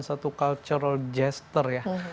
satu cultural jester ya